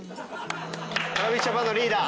ＴｒａｖｉｓＪａｐａｎのリーダー